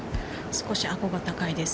少しアゴが高いです。